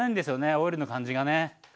オイルの感じがね。